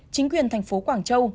chính quyền thành phố quảng châu